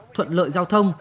thuận lợi giao thông